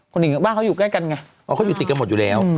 คุณหญิงว่าเขาอยู่ใกล้กันไงเขาอยู่ติดกันหมดอยู่แล้ว